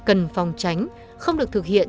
cần phòng tránh không được thực hiện